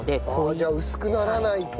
じゃあ薄くならないっていう。